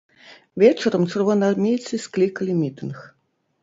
Вечарам чырвонаармейцы склікалі мітынг.